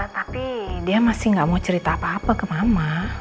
tapi dia masih gak mau cerita apa apa ke mama